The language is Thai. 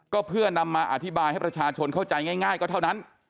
ก็เพื่อนำมาอธิบายให้ประชาชนเข้าใจง่ายก็เท่านั้น